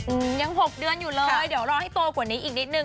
อืมยังหกเดือนอยู่เลยเดี๋ยวรอให้โตกว่านี้อีกนิดนึง